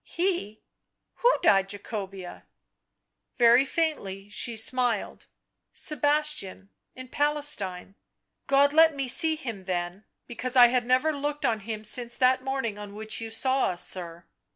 "He? — who died, Jacobea?" Very faintly she smiled. " Sebastian — in Palestine. God let me see him then, because I had never looked on him since that morning on which you saw us, sir